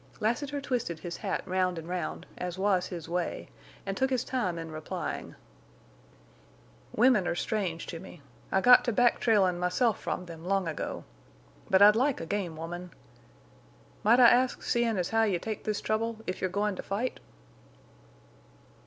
Lassiter twisted his hat round and round, as was his way, and took his time in replying. "Women are strange to me. I got to back trailin' myself from them long ago. But I'd like a game woman. Might I ask, seein' as how you take this trouble, if you're goin' to fight?"